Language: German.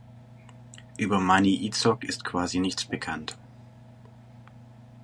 Über Maniitsoq ist quasi nichts bekannt.